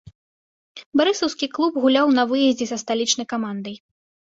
Барысаўскі клуб гуляў на выездзе са сталічнай камандай.